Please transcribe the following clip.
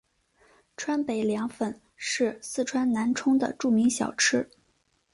川北凉粉是四川南充的著名小吃。